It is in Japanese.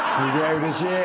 うれしい！